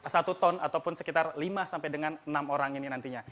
satu ton ataupun sekitar lima sampai dengan enam orang ini nantinya